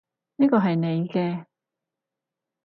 呢個係你嘅